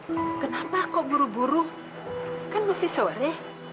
loh kenapa kok buru buru kan masih sore